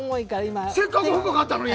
せっかく服買ったのに？